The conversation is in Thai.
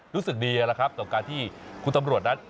รู้สึกดีแล้วครับต่อการที่คุณตำรวจนั้น